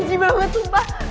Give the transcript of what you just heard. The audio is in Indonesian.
jijik banget sumpah